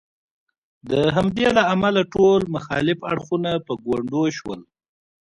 د همدې له امله ټول مخالف اړخونه په ګونډو شول.